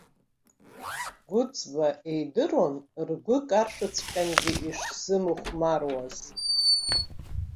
Гәыӡба идыруан ргәы каршәыҵәҟьангьы ишзымыхәмаруаз.